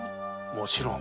もちろん。